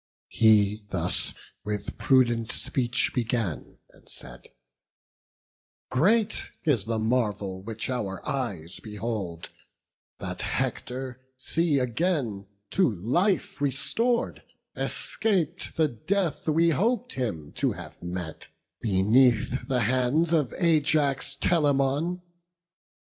He thus with prudent speech began, and said: "Great is the marvel which our eyes behold, That Hector see again to life restor'd, Escap'd the death we hop'd him to have met Beneath the hands of Ajax Telamon.